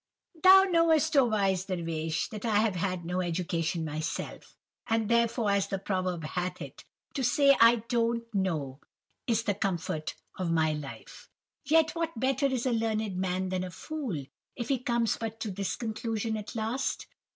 "'Thou knowest, oh wise Dervish, that I have had no education myself, and therefore, as the proverb hath it, "To say I don't know, is the comfort of my life," yet what better is a learned man than a fool, if he comes but to this conclusion at last?